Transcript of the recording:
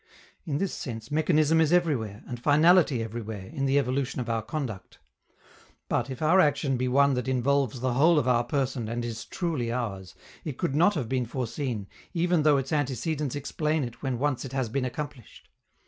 In this sense mechanism is everywhere, and finality everywhere, in the evolution of our conduct. But if our action be one that involves the whole of our person and is truly ours, it could not have been foreseen, even though its antecedents explain it when once it has been accomplished.